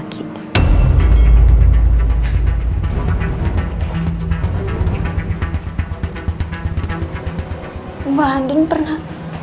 mbak andin pernah